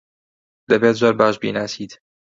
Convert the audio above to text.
دەبێت زۆر باش بیناسیت.